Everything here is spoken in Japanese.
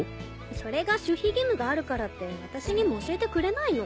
それが守秘義務があるからって私にも教えてくれないの。